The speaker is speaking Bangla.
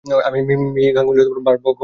আমি মিম্মি গাঙ্গুলী, ও ভার্গব গাঙ্গুলী।